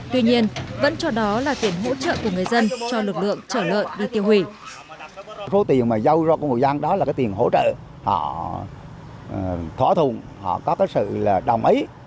tuy nhiên vẫn cho đó là tiền hỗ trợ của người dân